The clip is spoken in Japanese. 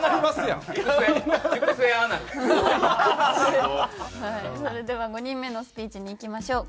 それでは５人目のスピーチにいきましょう。